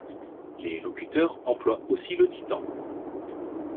Les locuteurs emploient aussi le titan.